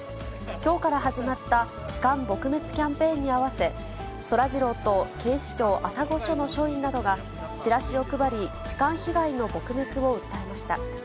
きょうから始まった痴漢撲滅キャンペーンに合わせ、そらジローと警視庁愛宕署の署員などが、チラシを配り、痴漢被害の撲滅を訴えました。